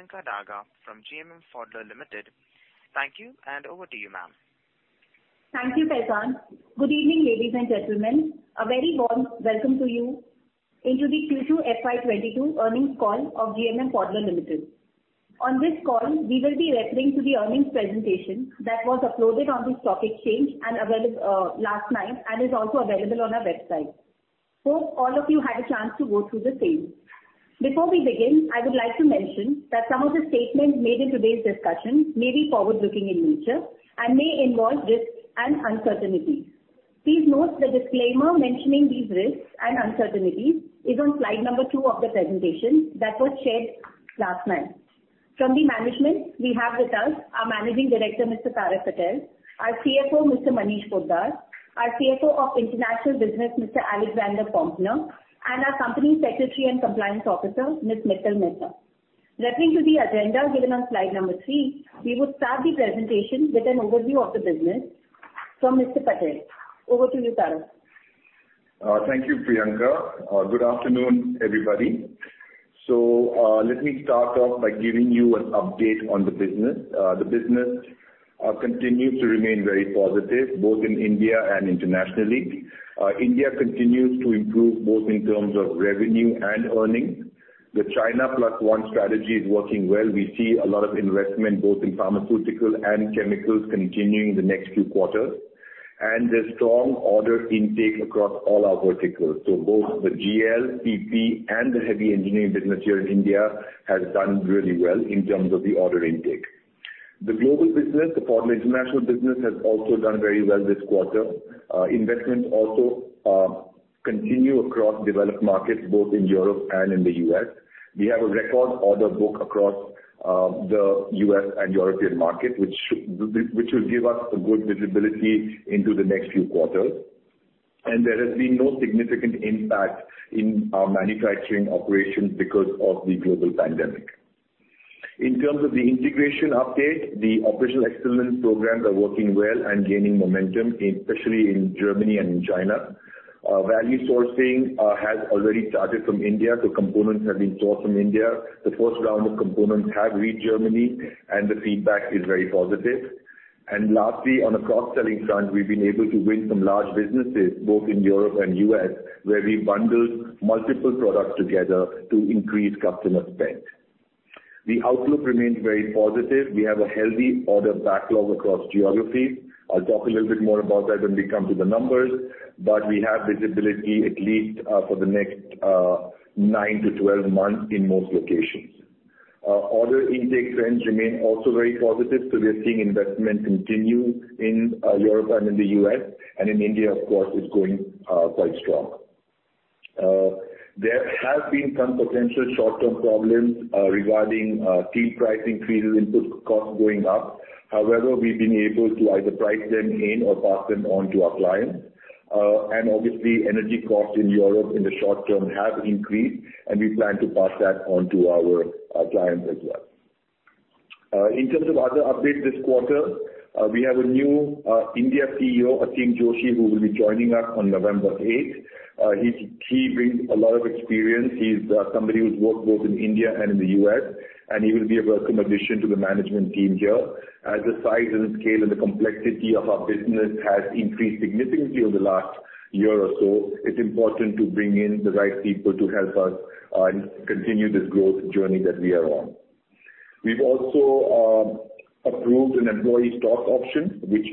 Priyanka Daga from GMM Pfaudler Limited. Thank you and over to you, ma'am. Thank you, Kaizad. Good evening, ladies and gentlemen. A very warm welcome to you into the Q2 FY 2022 earnings call of GMM Pfaudler Limited. On this call, we will be referring to the earnings presentation that was uploaded on the stock exchange and last night and is also available on our website. Hope all of you had a chance to go through the same. Before we begin, I would like to mention that some of the statements made in today's discussion may be forward-looking in nature and may involve risks and uncertainties. Please note the disclaimer mentioning these risks and uncertainties is on slide number two of the presentation that was shared last night. From the management, we have with us our Managing Director, Mr. Tarak Patel, our CFO, Mr. Manish Poddar, our CFO of International Business, Mr. Alexander Poempner, and our Company Secretary and Compliance Officer, Ms. Mittal Mehta. Referring to the agenda given on slide number three, we will start the presentation with an overview of the business from Mr. Patel. Over to you, Tarak. Thank you, Priyanka. Good afternoon, everybody. Let me start off by giving you an update on the business. The business continues to remain very positive both in India and internationally. India continues to improve both in terms of revenue and earnings. The China plus one strategy is working well. We see a lot of investment both in pharmaceutical and chemicals continuing the next few quarters. There's strong order intake across all our verticals. Both the GL, PP, and the Heavy Engineering business here in India has done really well in terms of the order intake. The global business, the Pfaudler International business, has also done very well this quarter. Investments also continue across developed markets both in Europe and in the U.S. We have a record order book across the U.S. and European market, which will give us a good visibility into the next few quarters. There has been no significant impact in our manufacturing operations because of the global pandemic. In terms of the integration update, the operational excellence programs are working well and gaining momentum, especially in Germany and in China. Value sourcing has already started from India. Components have been sourced from India. The first round of components have reached Germany, and the feedback is very positive. Lastly, on the cross-selling front, we've been able to win some large businesses both in Europe and U.S., where we bundle multiple products together to increase customer spend. The outlook remains very positive. We have a healthy order backlog across geographies. I'll talk a little bit more about that when we come to the numbers, but we have visibility at least for the next nine to 12 months in most locations. Order intake trends remain also very positive, so we are seeing investment continue in Europe and in the U.S. In India, of course, it's going quite strong. There have been some potential short-term problems regarding steel pricing, diesel input costs going up. However, we've been able to either price them in or pass them on to our clients. Obviously, energy costs in Europe in the short term have increased, and we plan to pass that on to our clients as well. In terms of other updates this quarter, we have a new India CEO, Aseem Joshi, who will be joining us on November 8. He brings a lot of experience. He's somebody who's worked both in India and in the U.S., and he will be a welcome addition to the management team here. As the size and scale and the complexity of our business has increased significantly over the last year or so, it's important to bring in the right people to help us continue this growth journey that we are on. We've also approved an employee stock option, which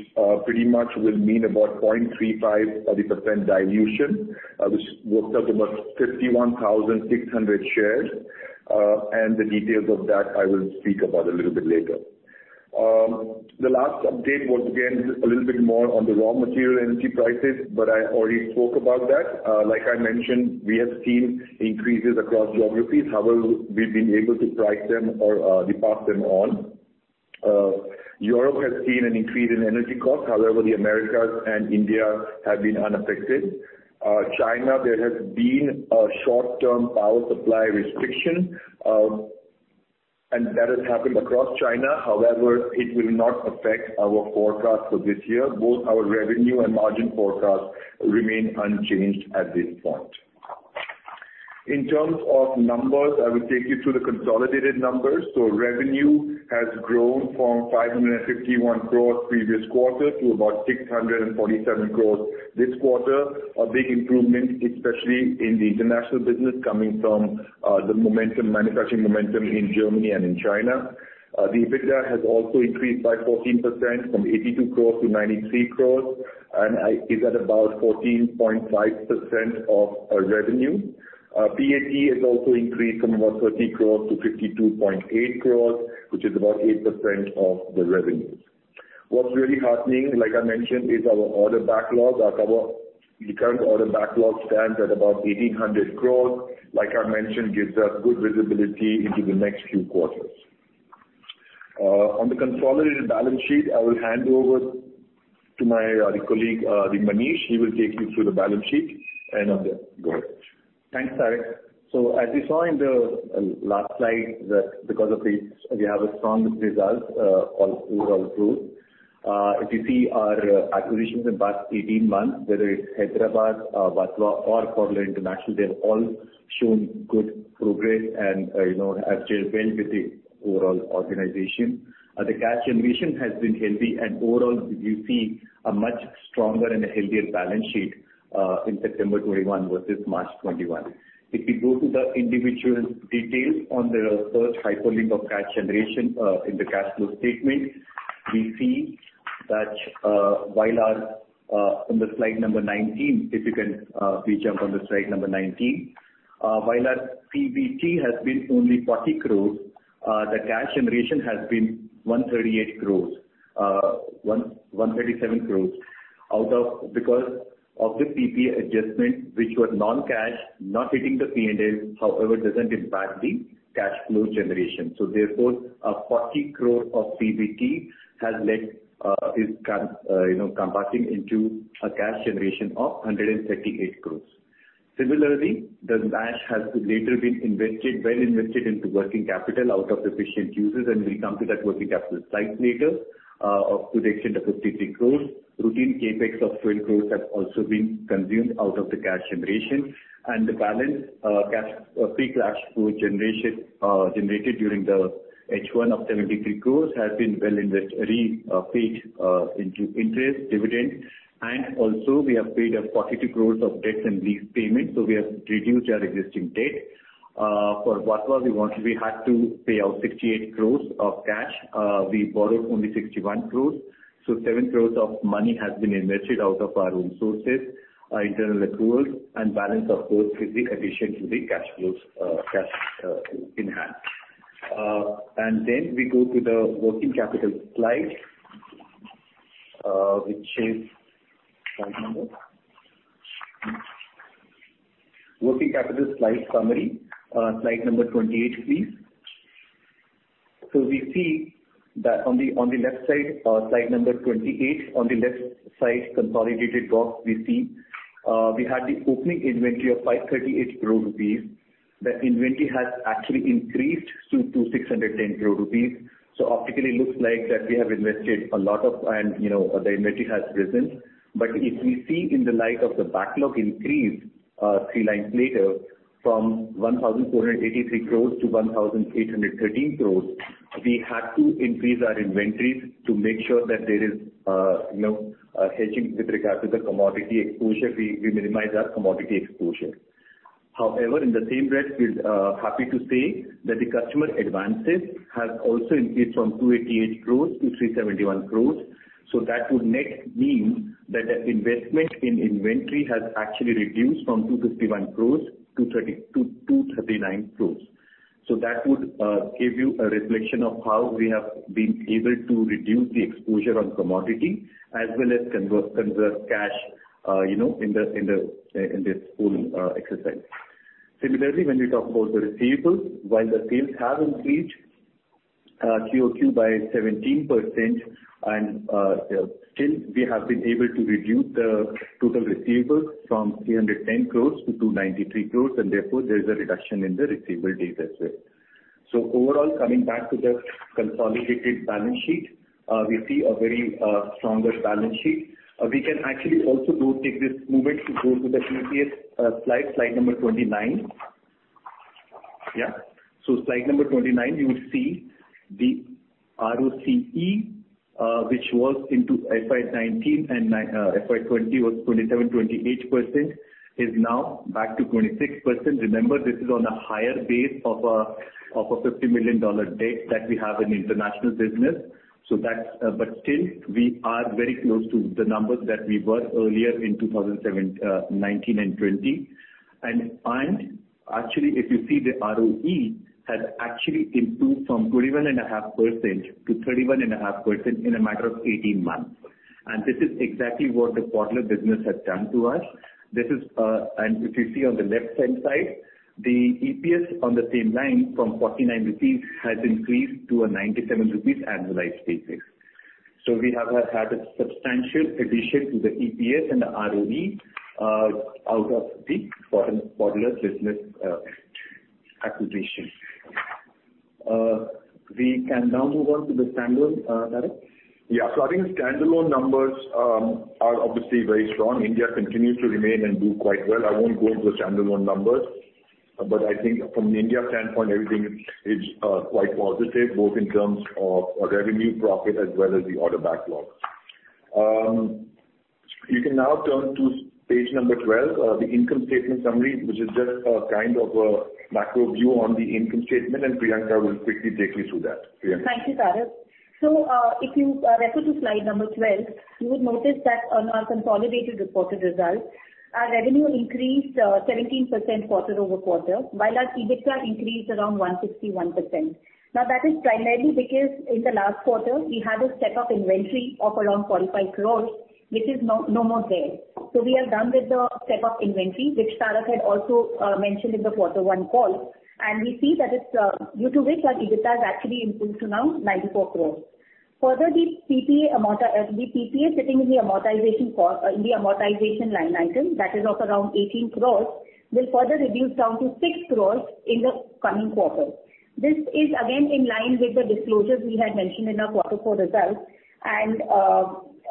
pretty much will mean about 0.35% dilution, which works out to about 51,600 shares. And the details of that I will speak about a little bit later. The last update was, again, a little bit more on the raw material energy prices, but I already spoke about that. Like I mentioned, we have seen increases across geographies. However, we've been able to price them or pass them on. Europe has seen an increase in energy costs, however, the Americas and India have been unaffected. China, there has been a short-term power supply restriction, and that has happened across China. However, it will not affect our forecast for this year. Both our revenue and margin forecast remain unchanged at this point. In terms of numbers, I will take you through the consolidated numbers. Revenue has grown from 551 crores previous quarter to about 647 crores this quarter. A big improvement, especially in the international business coming from the momentum, manufacturing momentum in Germany and in China. The EBITDA has also increased by 14% from 82 crores to 93 crores, and is at about 14.5% of our revenue. PAT has also increased from about 30 crores to 52.8 crores, which is about 8% of the revenues. What's really heartening, like I mentioned, is our order backlog. The current order backlog stands at about 1,800 crores. Like I mentioned, gives us good visibility into the next few quarters. On the consolidated balance sheet, I will hand over to my colleague, Manish. He will take you through the balance sheet and other. Go ahead. Thanks, Tarak. As you saw in the last slide that because of the, we have a strong result, overall group. If you see our acquisitions in past 18 months, whether it's Mavag, SEMCO or Pfaudler International, they have all shown good progress and, you know, have gelled well with the overall organization. The cash generation has been healthy, and overall we see a much stronger and a healthier balance sheet in September 2021 versus March 2021. If we go to the individual details on the first hyperlink of cash generation in the cash flow statement, we see that, on slide number 19, if you can please jump to slide number 19. While our PBT has been only 40 crores, the cash generation has been 138 crores, 137 crores out of because of the PPA adjustment which were non-cash, not hitting the P&L, however doesn't impact the cash flow generation. A 40 crore of PBT has led to converting into a cash generation of 138 crores. Similarly, the cash has later been invested, well invested into working capital out of efficient uses, and we come to that working capital slide later, to the extent of 53 crores. Routine CapEx of 12 crores has also been consumed out of the cash generation. The balance free cash flow generation generated during the H1 of 73 crores has been paid into interest, dividend and also we have paid a 42 crores of debt and lease payments. We have reduced our existing debt. For the balance we had to pay out 68 crores of cash. We borrowed only 61 crore, so 7 crore of money has been invested out of our own sources, internal accruals and balance, of course, is the addition to the cash flows, cash in hand. We go to the working capital slide, which is slide number working capital slide summary. Slide number 28, please. We see that on the left side, slide number 28, on the left side consolidated box we see, we had the opening inventory of 538 crore rupees. The inventory has actually increased to 610 crore rupees. Optically looks like that we have invested a lot of and, you know, the inventory has risen. If we see in the light of the backlog increase, three lines later, from 1,483 crore to 1,813 crore, we had to increase our inventories to make sure that there is, you know, hedging with regard to the commodity exposure, we minimize our commodity exposure. However, in the same breath, we're happy to say that the customer advances has also increased from 288 crore to 371 crore. So that would net mean that the investment in inventory has actually reduced from 251 crore to 239 crore. So that would give you a reflection of how we have been able to reduce the exposure on commodity as well as convert cash, you know, in this whole exercise. Similarly, when we talk about the receivables, while the sales have increased Q-O-Q by 17%, and still we have been able to reduce the total receivables from 310 crore to 293 crore, and therefore there is a reduction in the receivables as well. Overall, coming back to the consolidated balance sheet, we see a very stronger balance sheet. We can actually also go take this moment to go to the next slide 29. Yeah. Slide 29, you would see the ROCE, which was in FY 2019 and FY 2020 27%-28%, is now back to 26%. Remember, this is on a higher base of a $50 million debt that we have in the international business. That's but still we are very close to the numbers that we were earlier in 2007, 2019 and 2020. Actually, if you see the ROE has actually improved from 21.5%-31.5% in a matter of 18 months. This is exactly what the Pfaudler business has done to us. This is and if you see on the left-hand side, the EPS on the same line from 49 rupees has increased to 97 rupees annualized basis. We have had a substantial addition to the EPS and the ROE out of the foreign Pfaudler business acquisition. We can now move on to the standalone, Tarak Patel. Yeah. I think standalone numbers are obviously very strong. India continues to remain and do quite well. I won't go into the standalone numbers. I think from the India standpoint, everything is quite positive, both in terms of revenue, profit, as well as the order backlog. You can now turn to page number 12. The income statement summary, which is just a kind of a macro view on the income statement, and Priyanka will quickly take you through that. Priyanka. Thank you, Tarak. If you refer to slide number 12, you would notice that on our consolidated reported results, our revenue increased 17% quarter-over-quarter, while our EBITDA increased around 161%. That is primarily because in the last quarter, we had a step-up inventory of around 45 crores, which is no more there. We are done with the step-up inventory, which Tarak had also mentioned in the quarter one call. We see that it's due to which our EBITDA has actually improved to now 94 crore. Further, the PPA sitting in the amortization cost in the amortization line item that is of around 18 crore will further reduce down to 6 crore in the coming quarter. This is again in line with the disclosures we had mentioned in our quarter four results and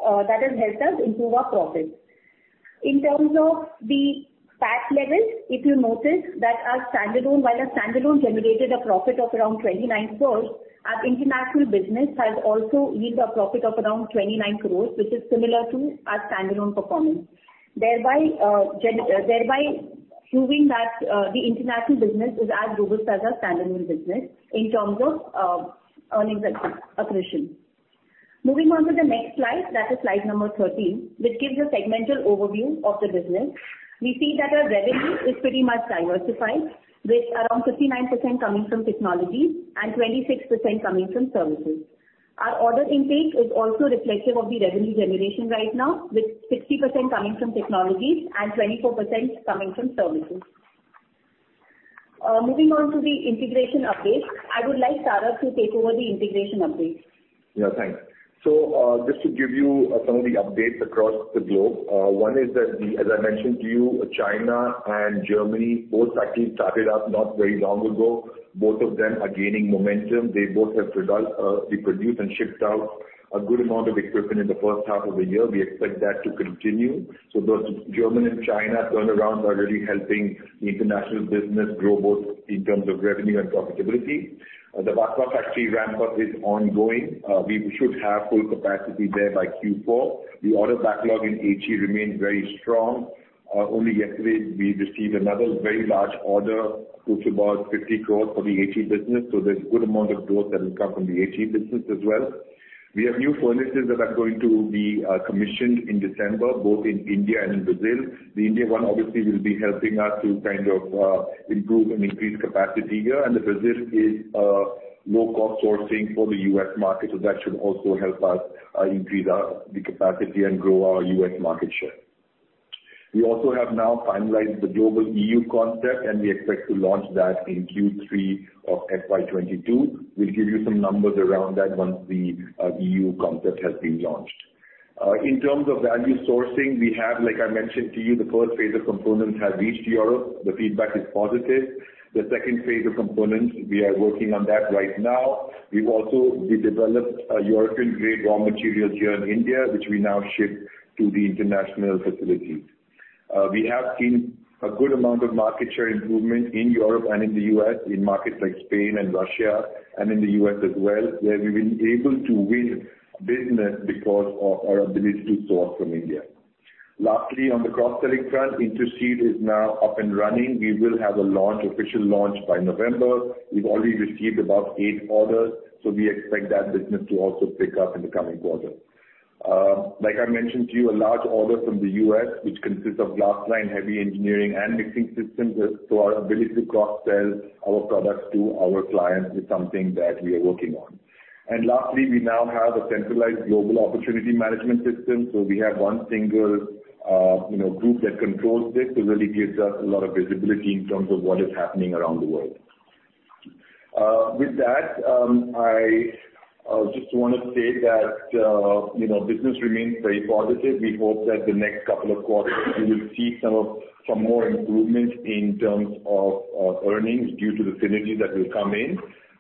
that has helped us improve our profits. In terms of the tax level, if you notice that our standalone, while our standalone generated a profit of around 29 crore, our international business has also yield a profit of around 29 crore, which is similar to our standalone performance. Thereby, thereby proving that the international business is as robust as our standalone business in terms of earnings and growth accretion. Moving on to the next slide, that is slide number 13, which gives a segmental overview of the business. We see that our revenue is pretty much diversified, with around 59% coming from technology and 26% coming from services. Our order intake is also reflective of the revenue generation right now, with 60% coming from technologies and 24% coming from services. Moving on to the integration update, I would like Tarak to take over the integration update. Yeah, thanks. Just to give you some of the updates across the globe. One is that the, as I mentioned to you, China and Germany, both factories started up not very long ago. Both of them are gaining momentum. They both have produced and shipped out a good amount of equipment in the first half of the year. We expect that to continue. Those German and China turnarounds are really helping the international business grow both in terms of revenue and profitability. The Vatva factory ramp up is ongoing. We should have full capacity there by Q4. The order backlog in HE remains very strong. Only yesterday we received another very large order, which is about 50 crores for the HE business. There's good amount of growth that will come from the HE business as well. We have new furnaces that are going to be commissioned in December, both in India and in Brazil. The India one obviously will be helping us to kind of improve and increase capacity here. The Brazil is low cost sourcing for the U.S. market, so that should also help us increase our capacity and grow our U.S. market share. We also have now finalized the global EU concept, and we expect to launch that in Q3 of FY 2022. We'll give you some numbers around that once the EU concept has been launched. In terms of value sourcing, we have, like I mentioned to you, the first phase of components have reached Europe. The feedback is positive. The second phase of components, we are working on that right now. We've also redeveloped European-grade raw materials here in India, which we now ship to the international facilities. We have seen a good amount of market share improvement in Europe and in the U.S., in markets like Spain and Russia and in the U.S. as well, where we've been able to win business because of our ability to source from India. Lastly, on the cross-selling front, Interseal is now up and running. We will have a launch, official launch by November. We've already received about eight orders, so we expect that business to also pick up in the coming quarter. Like I mentioned to you, a large order from the U.S., which consists of glass-lined, heavy engineering and mixing systems, as to our ability to cross-sell our products to our clients is something that we are working on. Last, we now have a centralized global opportunity management system. We have one single, you know, group that controls this. It really gives us a lot of visibility in terms of what is happening around the world. With that, I just wanna say that, you know, business remains very positive. We hope that the next couple of quarters we will see some of, some more improvement in terms of earnings due to the synergy that will come in.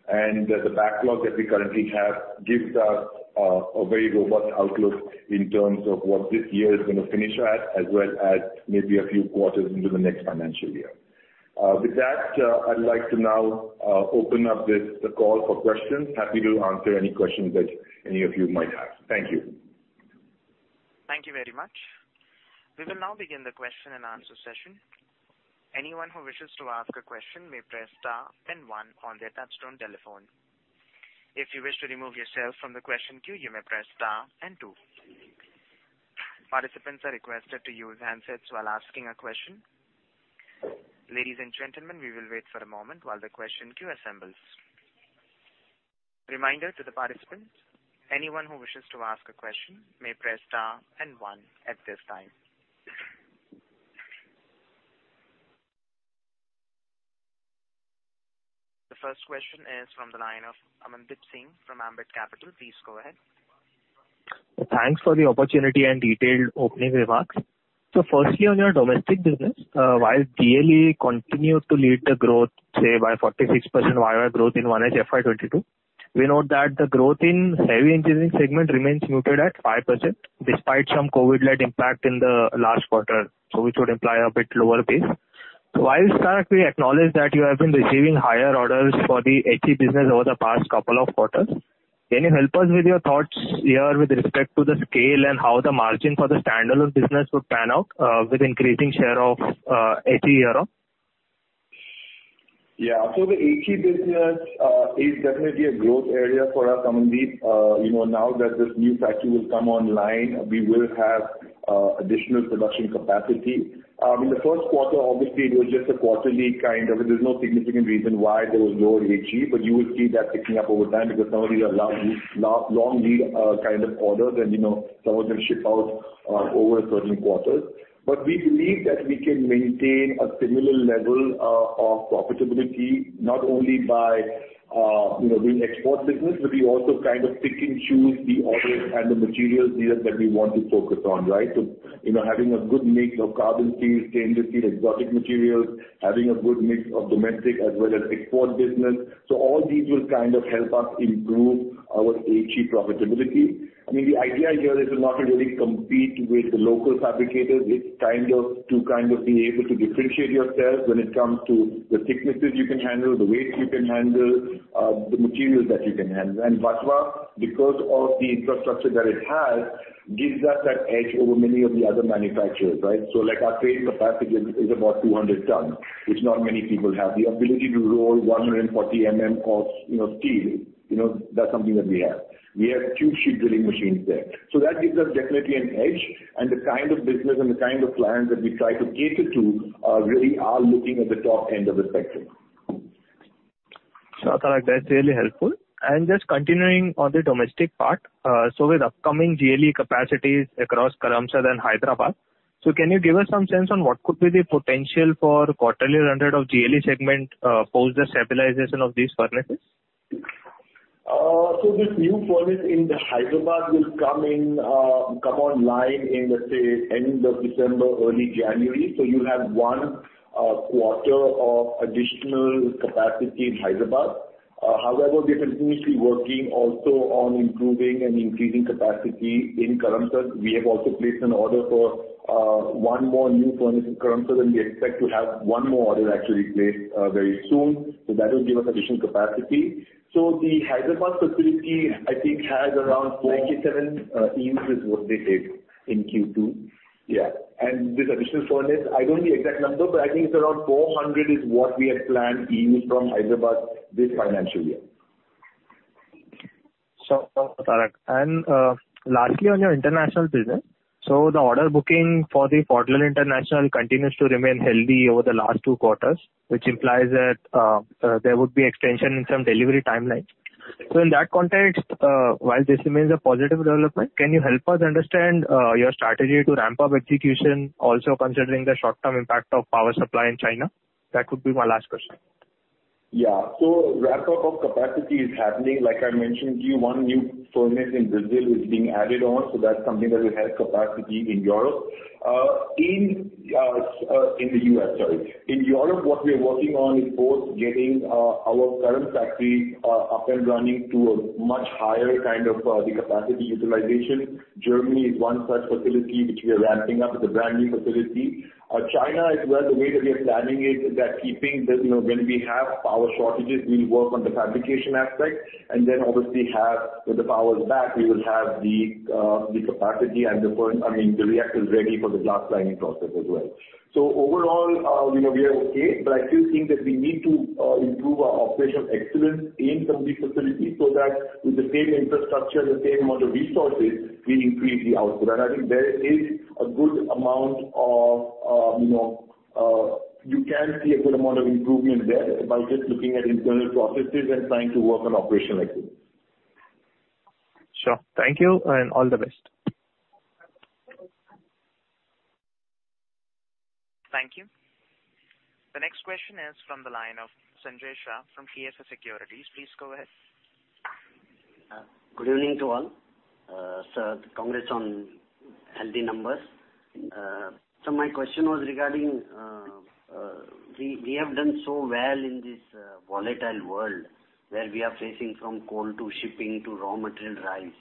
The backlog that we currently have gives us, a very robust outlook in terms of what this year is gonna finish at, as well as maybe a few quarters into the next financial year. With that, I'd like to now open up this call for questions. Happy to answer any questions that any of you might have. Thank you. Thank you very much. We will now begin the question-and-answer session. Anyone who wishes to ask a question may press star then one on their touch-tone telephone. If you wish to remove yourself from the question queue, you may press star and two. Participants are requested to use handsets while asking a question. Ladies and gentlemen, we will wait for a moment while the question queue assembles. Reminder to the participants, anyone who wishes to ask a question may press star and one at this time. The first question is from the line of Amandeep Singh from Ambit Capital. Please go ahead. Thanks for the opportunity and detailed opening remarks. Firstly, on your domestic business, while GLE continued to lead the growth, say by 46% Y-O-Y growth in 1H FY 2022, we note that the growth in Heavy Engineering segment remains muted at 5% despite some COVID-led impact in the last quarter. Which would imply a bit lower pace. While, Tarak, we acknowledge that you have been receiving higher orders for the HE business over the past couple of quarters, can you help us with your thoughts here with respect to the scale and how the margin for the standalone business would pan out, with increasing share of, HE Europe? Yeah. The HE business is definitely a growth area for us, Amandeep. You know, now that this new factory will come online, we will have additional production capacity. In the first quarter, obviously, there's no significant reason why there was lower HE. You will see that picking up over time because some of these are long lead kind of orders. You know, some of them ship out over certain quarters. We believe that we can maintain a similar level of profitability, not only by you know, doing export business, but we also kind of pick and choose the orders and the material deals that we want to focus on, right? You know, having a good mix of carbon steel, stainless steel, exotic materials, having a good mix of domestic as well as export business. All these will kind of help us improve our HE profitability. I mean, the idea here is to not really compete with the local fabricators. It's kind of to be able to differentiate yourself when it comes to the thicknesses you can handle, the weights you can handle, the materials that you can handle. Vatva, because of the infrastructure that it has, gives us that edge over many of the other manufacturers, right? Like, our crane capacity is about 200 tons, which not many people have. The ability to roll 140 mm of, you know, steel, you know, that's something that we have. We have two sheet drilling machines there. That gives us definitely an edge. The kind of business and the kind of clients that we try to cater to are really looking at the top end of the spectrum. Sure, Tarak. That's really helpful. Just continuing on the domestic part. With upcoming GLE capacities across Karamsad and Hyderabad, can you give us some sense on what could be the potential for quarterly run rate of GLE segment post the stabilization of these furnaces? This new furnace in Hyderabad will come online in, let's say, end of December, early January. You have one quarter of additional capacity in Hyderabad. However, we are continuously working also on improving and increasing capacity in Karamsad. We have also placed an order for one more new furnace in Karamsad, and we expect to have 1 more order actually placed very soon. That will give us additional capacity. The Hyderabad facility, I think, has around 47 EVs is what they did in Q2. Yeah. This additional furnace, I don't know the exact number, but I think it's around 400 is what we had planned EVs from Hyderabad this financial year. Sure, Tarak. Lastly, on your international business. The order booking for the Pfaudler International continues to remain healthy over the last two quarters, which implies that there would be extension in some delivery timelines. In that context, while this remains a positive development, can you help us understand your strategy to ramp up execution, also considering the short-term impact of power supply in China? That would be my last question. Yeah. Ramp-up of capacity is happening. Like I mentioned to you, one new furnace in Brazil is being added on. That's something that will help capacity in Europe. In the U.S., sorry. In Europe, what we are working on is both getting our current factory up and running to a much higher kind of the capacity utilization. Germany is one such facility which we are ramping up. It's a brand new facility. China as well, the way that we are planning it is that keeping that, you know, when we have power shortages, we work on the fabrication aspect and then obviously have when the power is back, we will have the capacity and the furnace I mean, the reactors ready for the blast lining process as well. Overall, you know, we are okay, but I still think that we need to improve our operational excellence in some of these facilities so that with the same infrastructure, the same amount of resources, we increase the output. I think there is a good amount of, you know, you can see a good amount of improvement there by just looking at internal processes and trying to work on operational excellence. Sure. Thank you and all the best. Thank you. The next question is from the line of Sanjay Shah from KSA Securities. Please go ahead. Good evening to all. Sir, congrats on healthy numbers. My question was regarding we have done so well in this volatile world where we are facing from coal to shipping to raw material rise,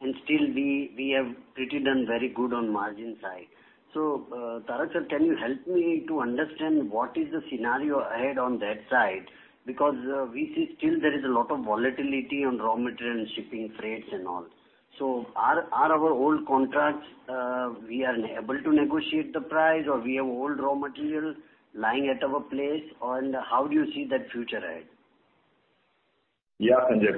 and still we have pretty done very good on margin side. Tarak sir, can you help me to understand what is the scenario ahead on that side? Because we see still there is a lot of volatility on raw material and shipping freights and all. Are our old contracts we are unable to negotiate the price or we have old raw material lying at our place? And how do you see that future ahead? Yeah, Sanjay.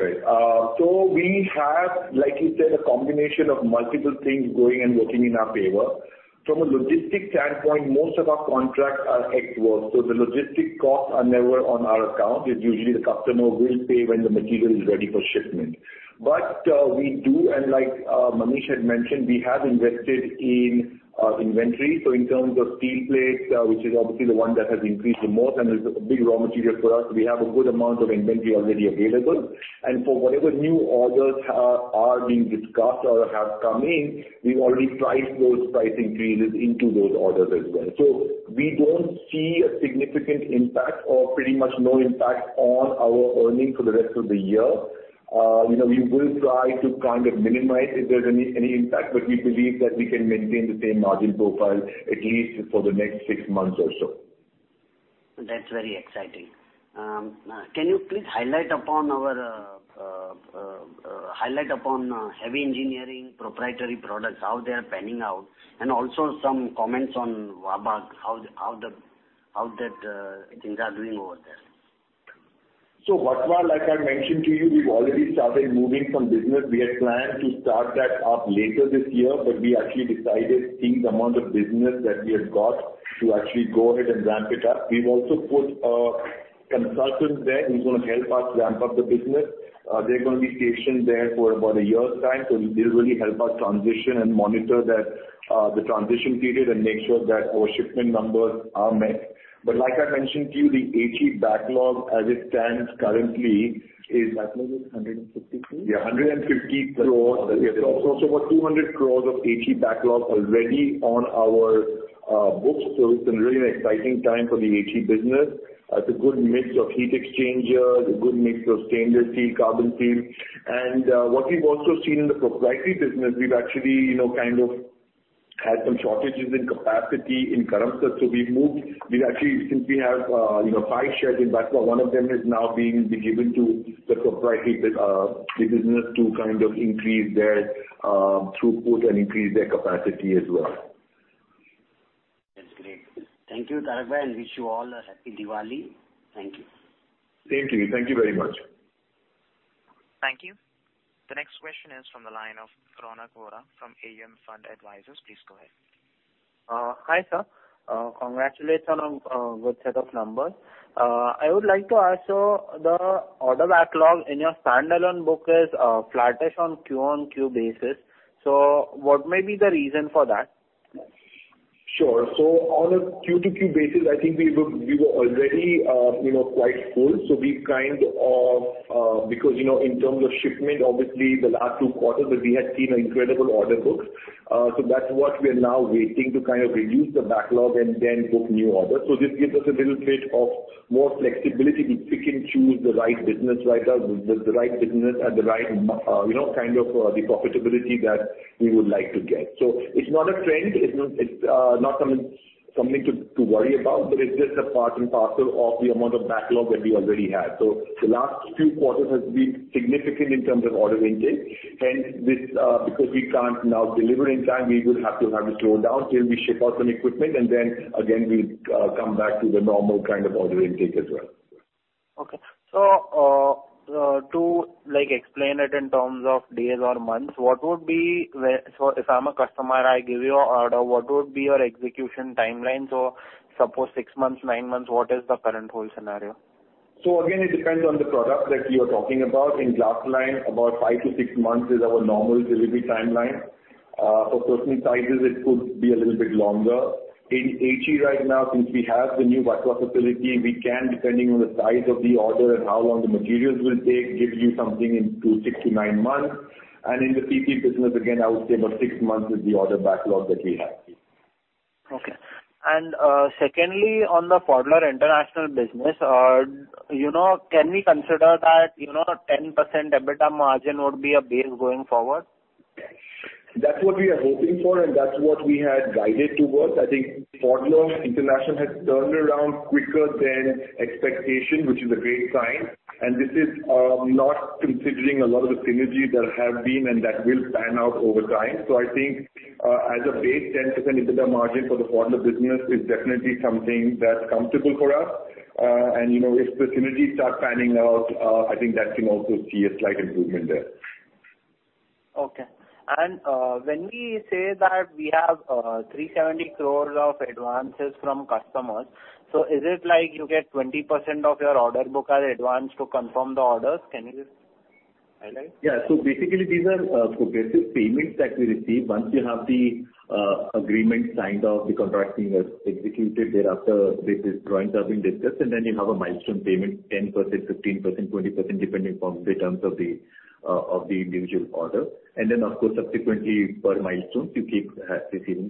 We have, like you said, a combination of multiple things going and working in our favor. From a logistics standpoint, most of our contracts are Ex Works, so the logistics costs are never on our account. It's usually the customer will pay when the material is ready for shipment. We do, and like Manish had mentioned, we have invested in inventory. In terms of steel plates, which is obviously the one that has increased the most and is a big raw material for us, we have a good amount of inventory already available. For whatever new orders are being discussed or have come in, we've already priced those price increases into those orders as well. We don't see a significant impact or pretty much no impact on our earnings for the rest of the year. You know, we will try to kind of minimize if there's any impact, but we believe that we can maintain the same margin profile at least for the next six months or so. That's very exciting. Can you please highlight upon our, highlight upon Heavy Engineering proprietary products, how they are panning out, and also some comments on Vatva, how that things are doing over there. Vatva, like I mentioned to you, we've already started moving some business. We had planned to start that up later this year, but we actually decided, seeing the amount of business that we have got, to actually go ahead and ramp it up. We've also put a consultant there who's gonna help us ramp up the business. They're gonna be stationed there for about a year's time. They'll really help us transition and monitor that, the transition period and make sure that our shipment numbers are met. Like I mentioned to you, the HE backlog as it stands currently is- Backlog is INR 150 crore? INR 150 crores. It's also about 200 crores of HE backlog already on our books. It's been really an exciting time for the HE business. It's a good mix of heat exchangers, a good mix of stainless steel, carbon steel. What we've also seen in the proprietary business, we've actually had some shortages in capacity in Karamsad, so we've moved. We've actually, since we have five sheds in Vatva, one of them is now being given to the proprietary business to increase their throughput and increase their capacity as well. That's great. Thank you, Tarak. I wish you all a happy Diwali. Thank you. Thank you. Thank you very much. Thank you. The next question is from the line of Ronak Vora from AUM Fund Advisors. Please go ahead. Hi, sir. Congratulations on good set of numbers. I would like to ask, so the order backlog in your standalone book is flattish on Q-O-Q basis. What may be the reason for that? Sure. On a Q-O-Q basis, I think we were already, you know, quite full. We've kind of because, you know, in terms of shipment, obviously the last two quarters that we had seen are incredible order books. That's what we are now waiting to kind of reduce the backlog and then book new orders. This gives us a little bit of more flexibility to pick and choose the right business mix, the right business at the right margin, you know, kind of, the profitability that we would like to get. It's not a trend. It's not something to worry about, but it's just a part and parcel of the amount of backlog that we already had. The last two quarters has been significant in terms of order intake. Hence, this, because we can't now deliver in time, we would have to have it slowed down till we ship out some equipment and then again we come back to the normal kind of order intake as well. Okay. To like explain it in terms of days or months, what would be where. If I'm a customer, I give you an order, what would be your execution timeline? Suppose six months, nine months, what is the current whole scenario? It depends on the product that you're talking about. In glass-lined, about five to six months is our normal delivery timeline. For custom sizes, it could be a little bit longer. In HE right now, since we have the new Vatva facility, we can, depending on the size of the order and how long the materials will take, give you something in six to nine months. In the PP business, again, I would say about six months is the order backlog that we have. Okay. Secondly, on the Pfaudler International business, you know, can we consider that, you know, 10% EBITDA margin would be a base going forward? That's what we are hoping for, and that's what we had guided towards. I think Pfaudler International has turned around quicker than expectation, which is a great sign. This is not considering a lot of the synergies that have been and that will pan out over time. I think as a base, 10% EBITDA margin for the Pfaudler business is definitely something that's comfortable for us. You know, if the synergies start panning out, I think that can also see a slight improvement there. Okay. When we say that we have 370 crore of advances from customers, so is it like you get 20% of your order book as advance to confirm the orders? Can you just highlight? Yeah. Basically these are progressive payments that we receive. Once you have the agreement signed off, the contract team has executed, thereafter the drawings have been discussed, and then you have a milestone payment, 10%, 15%, 20%, depending on the terms of the individual order. Of course, subsequently, per milestone, you keep receiving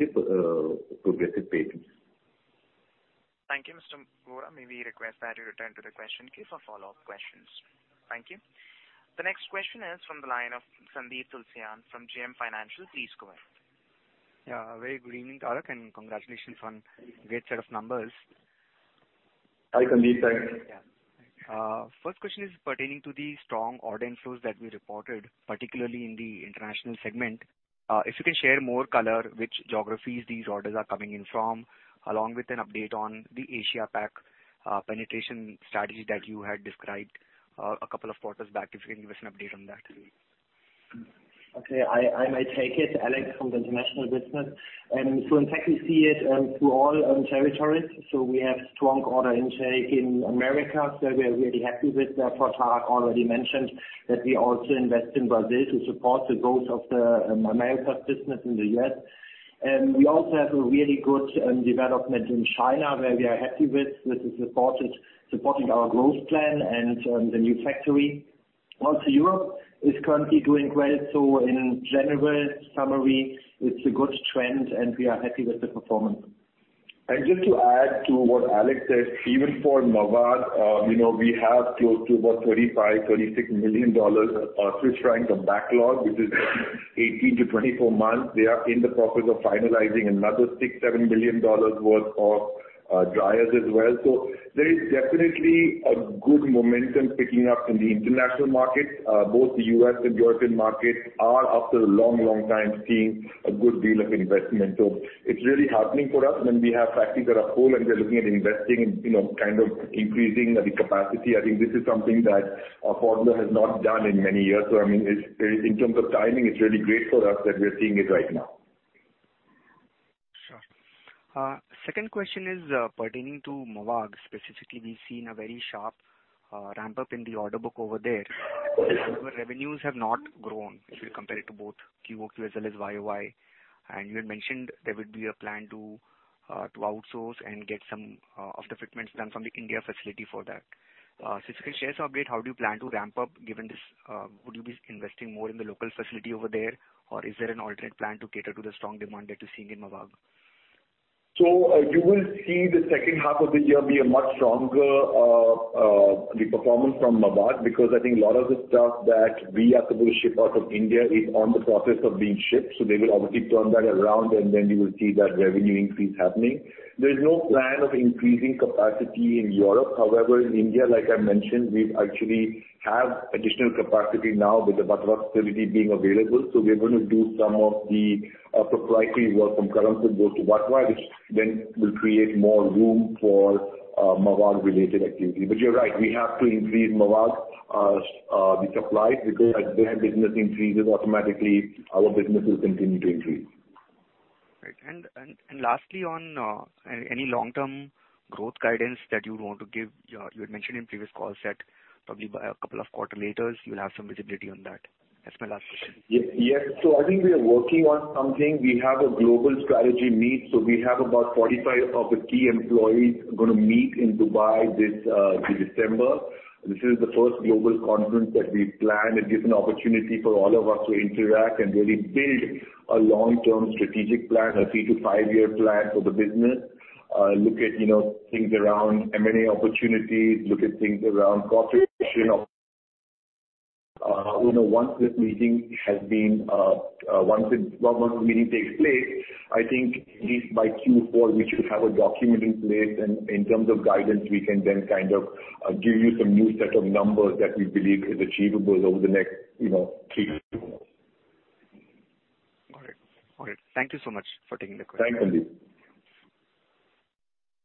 progressive payments. Thank you, Mr. Vora. May we request that you return to the question queue for follow-up questions. Thank you. The next question is from the line of Sandeep Tulsiyan from JM Financial. Please go ahead. Yeah. Very good evening, Tarak, and congratulations on great set of numbers. Hi, Sandeep. Thanks. Yeah. First question is pertaining to the strong order inflows that we reported, particularly in the international segment. If you can share more color which geographies these orders are coming in from, along with an update on the Asia Pac penetration strategy that you had described a couple of quarters back, if you can give us an update on that. Okay. I may take it. Alex from the international business. In fact we see it through all territories. We have strong order intake in Americas that we are really happy with. Tarak already mentioned that we also invest in Brazil to support the growth of the Americas business in the U.S. We also have a really good development in China, where we are happy with the supporting our growth plan and the new factory. Also Europe is currently doing great. In general summary, it's a good trend, and we are happy with the performance. Just to add to what Alex said, even for Mavag, you know, we have close to about $35-$36 million of Swiss francs of backlog, which is 18-24 months. They are in the process of finalizing another $6 million-$7 million worth of dryers as well. There is definitely a good momentum picking up in the international markets. Both the U.S. and European markets are after a long, long time seeing a good deal of investment. It's really heartening for us when we have factories that are full, and we are looking at investing in, you know, kind of increasing the capacity. I think this is something that Pfaudler has not done in many years. I mean, it's very. In terms of timing, it's really great for us that we are seeing it right now. Sure. Second question is, pertaining to Mavag. Specifically, we've seen a very sharp, ramp-up in the order book over there. Yes. Revenues have not grown if you compare it to both Q-O-Q as well as Y-O-Y. You had mentioned there would be a plan to outsource and get some of the fitments done from the India facility for that. Just a share update, how do you plan to ramp up given this? Would you be investing more in the local facility over there, or is there an alternate plan to cater to the strong demand that you're seeing in Mavag? You will see the second half of the year be a much stronger performance from Mavag, because I think a lot of the stuff that we are to ship out of India is in the process of being shipped, so they will obviously turn that around, and then you will see that revenue increase happening. There's no plan of increasing capacity in Europe. However, in India, like I mentioned, we actually have additional capacity now with the Vatva facility being available. We are gonna do some of the proprietary work from Karamsad go to Vatva, which then will create more room for Mavag-related activity. But you're right, we have to increase Mavag supply because as their business increases, automatically our business will continue to increase. Right. Lastly on any long-term growth guidance that you want to give. You had mentioned in previous calls that probably by a couple of quarters later you'll have some visibility on that. That's my last question. Yes. Yes. I think we are working on something. We have a global strategy meet, so we have about 45 of the key employees gonna meet in Dubai this December. This is the first global conference that we've planned. It gives an opportunity for all of us to interact and really build a long-term strategic plan, a three to five year plan for the business, look at things around M&A opportunities, look at things around profit. Once the meeting takes place, I think at least by Q4 we should have a document in place. In terms of guidance, we can then kind of give you some new set of numbers that we believe is achievable over the next three to four quarters. All right. Thank you so much for taking the questions. Thank you.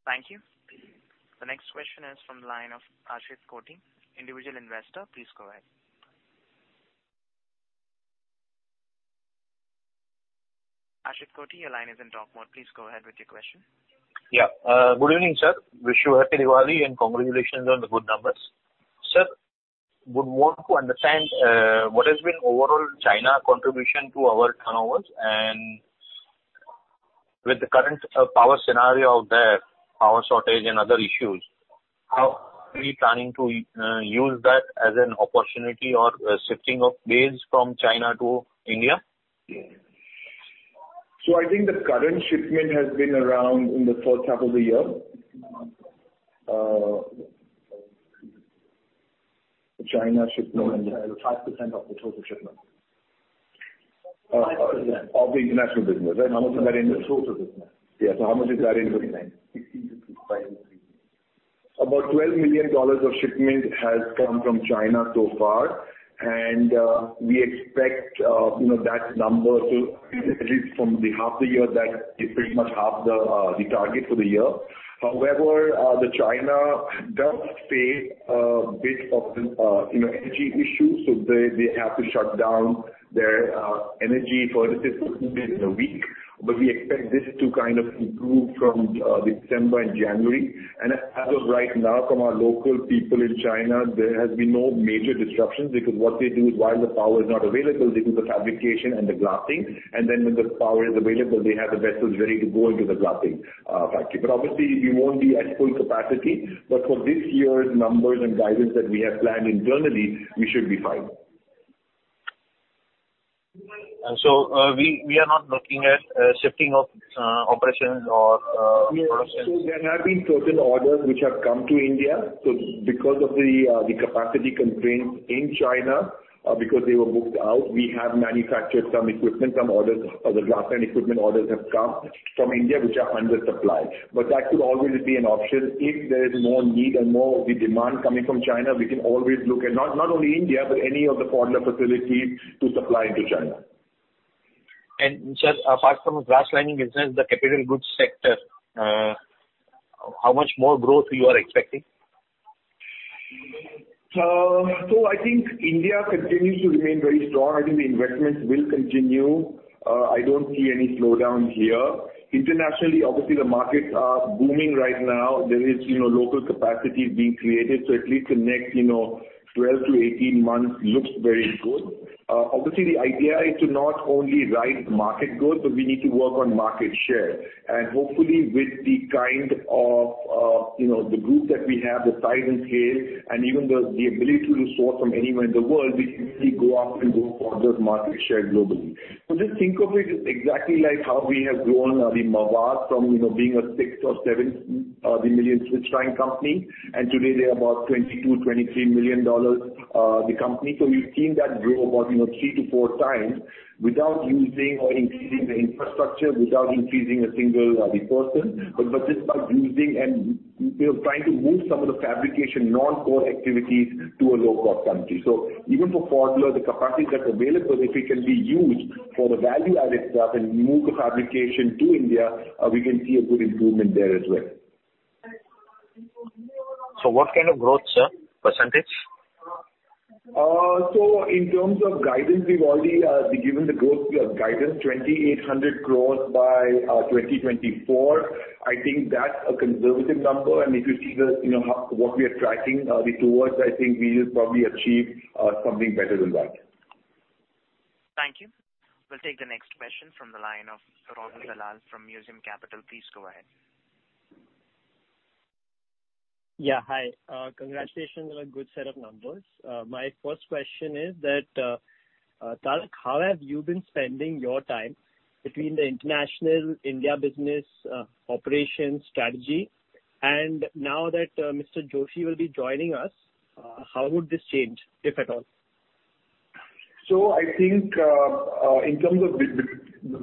Thank you. The next question is from the line of Ashit Kothi, Individual Investor. Please go ahead. Ashit Kothi, your line is in talk mode. Please go ahead with your question. Yeah. Good evening, sir. Wish you happy Diwali, and congratulations on the good numbers. Sir, would want to understand what has been overall China contribution to our turnovers. With the current power scenario out there, power shortage and other issues, how are we planning to use that as an opportunity or shifting of base from China to India? I think the current shipment has been around in the first half of the year, the China shipment. 5% of the total shipment. Of the international business, right? How much is that in- The total business. Yes. How much is that in rupees? 16 to 20. About $12 million of shipment has come from China so far, and we expect, you know, that number to at least double from half the year, that is pretty much half the target for the year. However, China does face a bit of, you know, energy issues, so they have to shut down their energy for let's say four days a week. We expect this to kind of improve from December and January. As of right now, from our local people in China, there has been no major disruptions because what they do is while the power is not available, they do the fabrication and the glassing, and then when the power is available, they have the vessels ready to go into the glassing factory. Obviously we won't be at full capacity. For this year's numbers and guidance that we have planned internally, we should be fine. We are not looking at shifting of operations or production. There have been certain orders which have come to India. Because of the capacity constraints in China, because they were booked out, we have manufactured some equipment, some orders. Other glass-lined equipment orders have come from India, which are under supply. That could always be an option. If there is more need and more of the demand coming from China, we can always look at not only India but any of the Pfaudler facilities to supply into China. Sir, apart from Glass-Lined business, the capital goods sector, how much more growth you are expecting? I think India continues to remain very strong. I think the investments will continue. I don't see any slowdown here. Internationally, obviously the markets are booming right now. There is, you know, local capacity being created, so at least the next, you know, 12-18 months looks very good. Obviously the idea is to not only ride the market growth, but we need to work on market share. Hopefully with the kind of, you know, the group that we have, the size and scale, and even the ability to source from anywhere in the world, we can really go out and go for those market share globally. Just think of it as exactly like how we have grown, I mean, Mavag from, you know, being a $6 million or $7 million such a tiny company, and today they're about $22 million-$23 million, the company. We've seen that grow about, you know, 3x-4x without using or increasing the infrastructure, without increasing a single person. But just by using and, you know, trying to move some of the fabrication non-core activities to a low-cost country. Even for Pfaudler, the capacity that's available, if it can be used for the value-added stuff and move the fabrication to India, we can see a good improvement there as well. What kind of growth, sir, percentage? In terms of guidance, we've already given the growth guidance 2,800 crores by 2024. I think that's a conservative number, and if you see the, you know, what we are tracking towards, I think we'll probably achieve something better than that. Thank you. We'll take the next question from the line of Rahul Dalal from Motilal Oswal. Please go ahead. Yeah. Hi. Congratulations on a good set of numbers. My first question is that, Tarak, how have you been spending your time between the international India business, operations strategy? Now that Mr. Joshi will be joining us, how would this change, if at all? I think, in terms of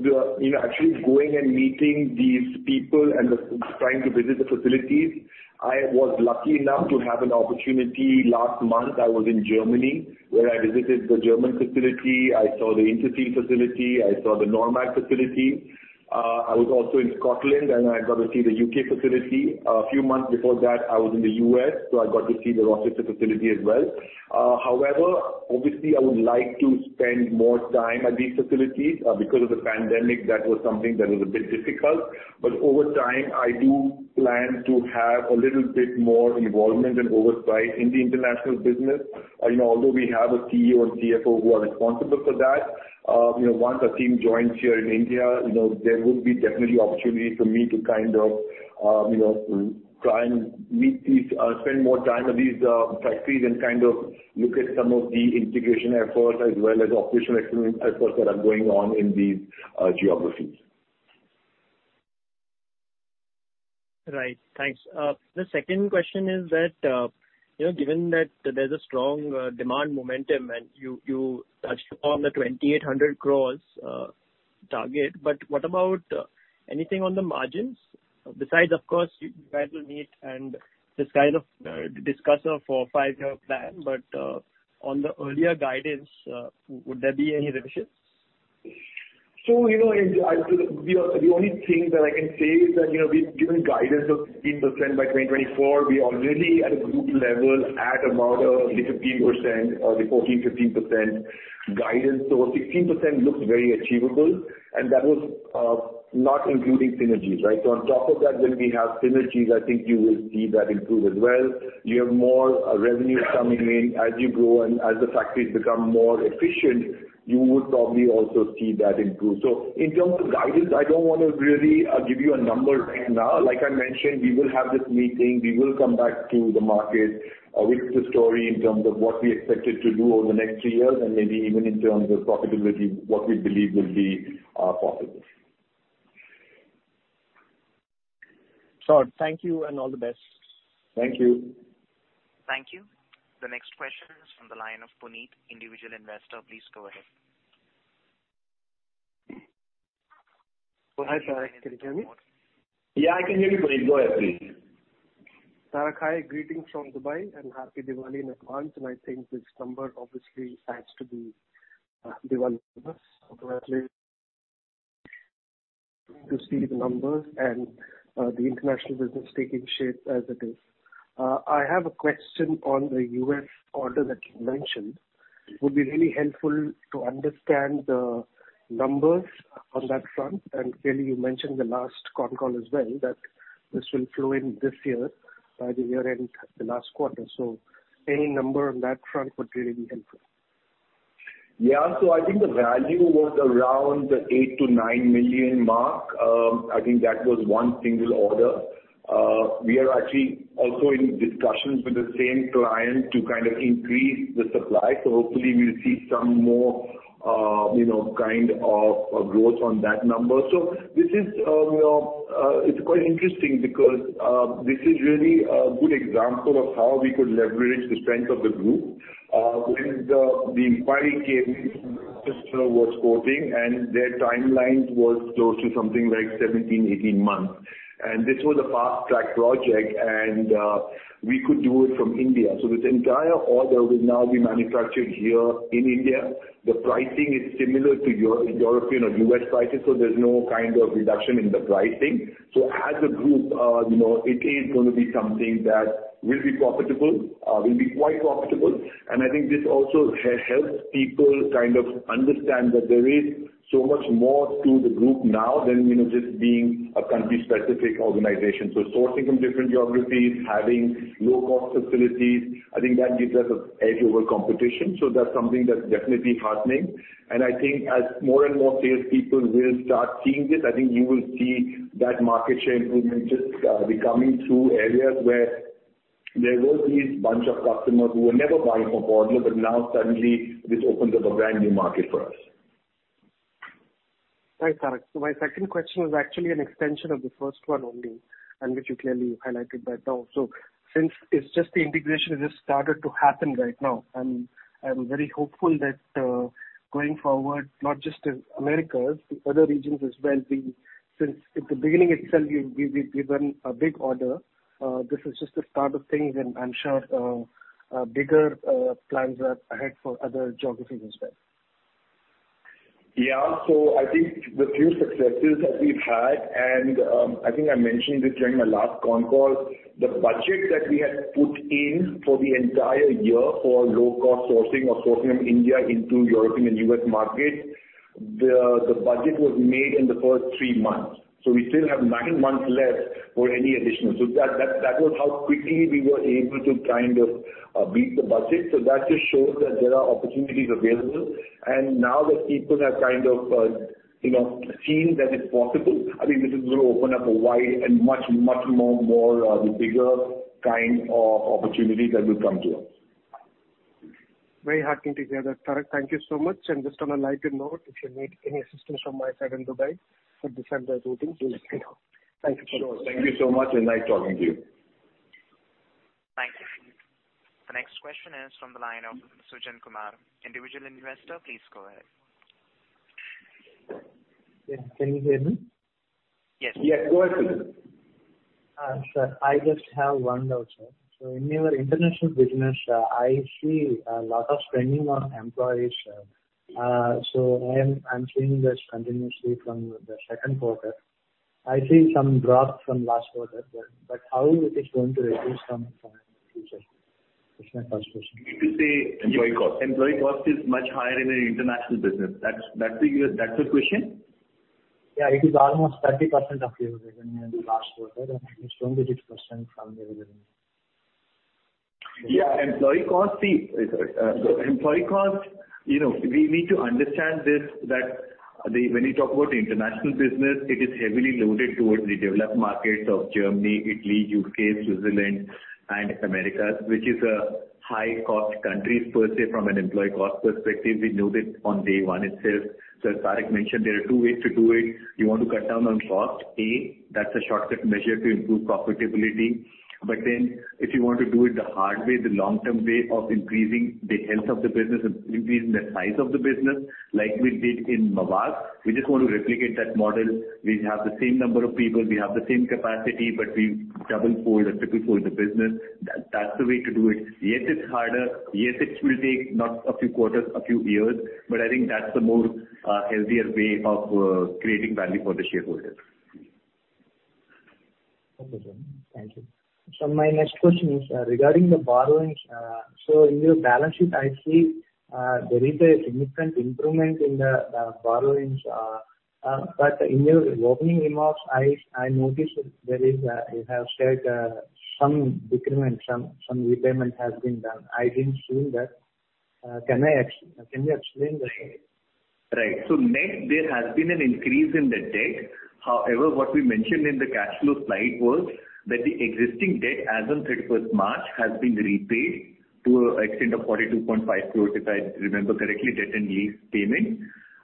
the, you know, actually going and meeting these people and trying to visit the facilities, I was lucky enough to have an opportunity. Last month, I was in Germany, where I visited the German facility. I saw the Interseal facility. I saw the NORMAG facility. I was also in Scotland, and I got to see the U.K. facility. A few months before that, I was in the U.S., so I got to see the Rochester facility as well. However, obviously, I would like to spend more time at these facilities. Because of the pandemic, that was something that was a bit difficult. Over time, I do plan to have a little bit more involvement and oversight in the international business. You know, although we have a CEO and CFO who are responsible for that, you know, once the team joins here in India, you know, there will be definitely opportunity for me to kind of, you know, try and meet these, spend more time at these factories and kind of look at some of the integration efforts as well as operational excellence efforts that are going on in these geographies. Right. Thanks. The second question is that, you know, given that there's a strong demand momentum and you touched on the 2,800 crores target, but what about anything on the margins? Besides, of course, you guys will meet and just kind of discuss your four to five year plan. On the earlier guidance, would there be any revisions? You know, the only thing that I can say is that, you know, we've given guidance of 16% by 2024. We are really at a group level at about the 14%-15% guidance. Sixteen percent looks very achievable, and that was not including synergies, right? On top of that, when we have synergies, I think you will see that improve as well. You have more revenue coming in as you grow and as the factories become more efficient, you would probably also see that improve. In terms of guidance, I don't wanna really give you a number right now. Like I mentioned, we will have this meeting. We will come back to the market with the story in terms of what we expected to do over the next three years, and maybe even in terms of profitability, what we believe will be possible. Sure. Thank you and all the best. Thank you. Thank you. The next question is from the line of Puneet, individual investor. Please go ahead. Hi, Tarak. Can you hear me? Yeah, I can hear you, Puneet. Go ahead, please. Tarak, hi. Greetings from Dubai, and Happy Diwali in advance. I think this number obviously has to be Diwali to us. Congratulations to see the numbers and the international business taking shape as it is. I have a question on the U.S. order that you mentioned. It would be really helpful to understand the numbers on that front. Clearly, you mentioned the last con call as well that this will flow in this year by the year-end, the last quarter. Any number on that front would be really helpful. Yeah. I think the value was around the 8 million-9 million mark. I think that was one single order. We are actually also in discussions with the same client to kind of increase the supply. Hopefully we'll see some more, you know, kind of growth on that number. This is, it's quite interesting because, this is really a good example of how we could leverage the strength of the group. When the inquiry came, customer was quoting, and their timelines was close to something like 17-18 months. This was a fast-track project, and, we could do it from India. This entire order will now be manufactured here in India. The pricing is similar to Euro-European or US prices, so there's no kind of reduction in the pricing. As a group, you know, it is gonna be something that will be profitable, will be quite profitable. I think this also helps people kind of understand that there is so much more to the group now than, you know, just being a country-specific organization. Sourcing from different geographies, having low-cost facilities, I think that gives us an edge over competition. That's something that's definitely heartening. I think as more and more salespeople will start seeing this, I think you will see that market share improvement just be coming through areas. There will be a bunch of customers who were never buying from Pfaudler, but now suddenly this opens up a brand new market for us. Right, Tarak. My second question was actually an extension of the first one only, and which you clearly highlighted that now. Since it's just the integration has just started to happen right now, and I'm very hopeful that, going forward, not just in Americas, the other regions as well, since at the beginning itself you've, we've given a big order, this is just the start of things, and I'm sure, bigger plans are ahead for other geographies as well. Yeah. I think the few successes that we've had, and I think I mentioned this during my last con call, the budget that we had put in for the entire year for low cost sourcing or sourcing from India into European and U.S. market, the budget was made in the first three months, so we still have nine months left for any additional. That was how quickly we were able to kind of beat the budget. That just shows that there are opportunities available. Now that people have kind of you know seen that it's possible, I think this is gonna open up a wide and much more bigger kind of opportunity that will come to us. Very heartening to hear that. Tarak, thank you so much. Just on a lighter note, if you need any assistance from my side in Dubai for December booking, do let me know. Thank you so much. Thank you so much, and nice talking to you. Thank you. The next question is from the line of Sujan Kumar, Individual Investor. Please go ahead. Yes. Can you hear me? Yes. Yeah, go ahead, Sujan. Sir, I just have one doubt, sir. In your international business, I see a lot of spending on employees. I'm seeing this continuously from the second quarter. I see some drop from last quarter, but how it is going to reduce from future? That's my first question. You mean to say employee cost? Employee cost is much higher in the international business. That's your question? Yeah. It is almost 30% of your revenue in the last quarter, and it's 26% from the revenue. Yeah. Employee cost, you know, we need to understand this, that when you talk about the international business, it is heavily loaded towards the developed markets of Germany, Italy, U.K., Switzerland, and Americas, which is a high cost countries per se from an employee cost perspective. We know this on day one itself. As Tarak mentioned, there are two ways to do it. You want to cut down on cost, A, that's a shortcut measure to improve profitability. If you want to do it the hard way, the long-term way of increasing the health of the business, increasing the size of the business, like we did in Mavag, we just want to replicate that model. We have the same number of people, we have the same capacity, but we double fold or triple fold the business. That's the way to do it. Yes, it's harder. Yes, it will take not a few quarters, a few years. I think that's the more, healthier way of, creating value for the shareholders. Okay, sir. Thank you. My next question is regarding the borrowings. In your balance sheet, I see there is a significant improvement in the borrowings. In your opening remarks, I noticed that you have said some decrement, some repayment has been done. I didn't see that. Can you explain that? Right. Net, there has been an increase in the debt. However, what we mentioned in the cash flow slide was that the existing debt as on 31st March has been repaid to an extent of 42.5 crores, if I remember correctly, debt and lease payment.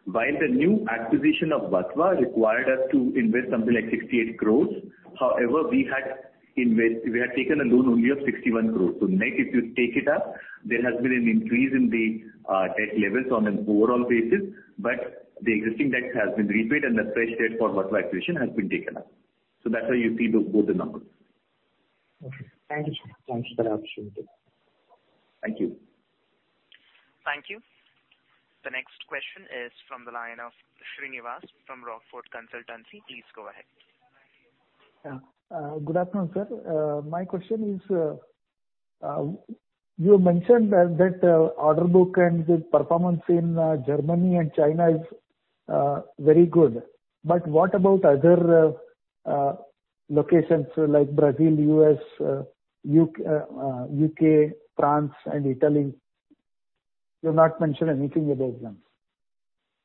While the new acquisition of Vatva required us to invest something like 68 crores, however, we had taken a loan only of 61 crores. Net, if you take it up, there has been an increase in the debt levels on an overall basis, but the existing debt has been repaid and the fresh debt for Vatva acquisition has been taken up. That's why you see both the numbers. Okay. Thank you, sir. Thanks for the opportunity. Thank you. Thank you. The next question is from the line of Shrinivas from Rockfort Consultancy. Please go ahead. Yeah. Good afternoon, sir. My question is, you mentioned that order book and the performance in Germany and China is very good. What about other locations like Brazil, U.S., U.K., France, and Italy? You have not mentioned anything about them.